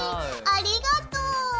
ありがとう。